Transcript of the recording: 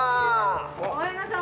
ごめんなさい。